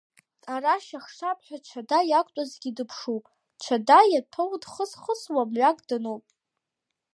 Арашь ахшап ҳәа ҽада иақәтәазгьы дыԥшуп, ҽада иаҭәоу дхысхысуа мҩак дануп.